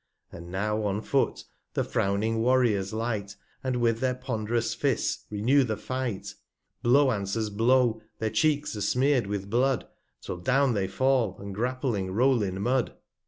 40 And now on Foot the frowning Warriors light, And with their pond'rous Fists renew the Fight ; Blow answers Blow, their Cheeks are 'smear'd with Blood, 'Till down they fall, and grappling roll in Mud.